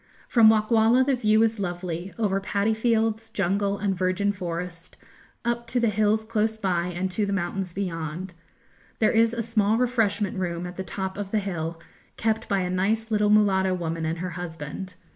From Wockwalla the view is lovely, over paddy fields, jungle, and virgin forest, up to the hills close by and to the mountains beyond. There is a small refreshment room at the top of the hill, kept by a nice little mulatto woman and her husband.